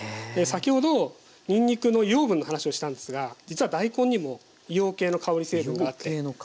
先ほどにんにくの硫黄分の話をしたんですが実は大根にも硫黄系の香り成分があって。